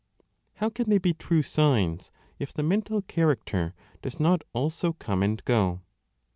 How can they be true signs if the mental character does not also come and go